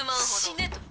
「死ね！と。